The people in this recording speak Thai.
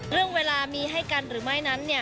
เรื่องเวลามีให้กันหรือไม่นั้น